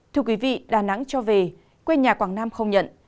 thưa quý vị đà nẵng cho về quê nhà quảng nam không nhận